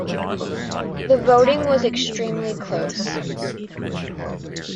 The voting was extremely close.